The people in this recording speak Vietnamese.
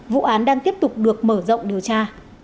vụ án đang tiếp tục được mở rộng điều tra